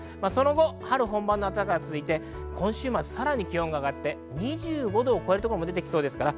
その後、春本番の暖かさが続いて今週末はさらに気温が上がって２５度を超えるところも出てきそうです。